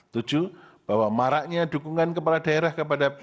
tujuh bahwa maraknya dukungan kepala daerah kepada